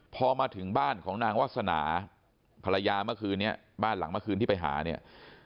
พอมาถึงบ้านของนางวาสนาภรรยาเมื่อคืนนี้บ้านหลังเมื่อคืนที่ไปหาเนี่ย